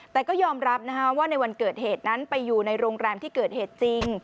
แต่ก็ยอมรับว่าในวันเกิดเหตุนั้นไปอยู่ในโรงแรมที่เกิดเหตุจริง